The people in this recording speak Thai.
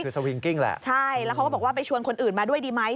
คือสวิงกิ้งแหละใช่แล้วเขาก็บอกว่าไปชวนคนอื่นมาด้วยดีไหม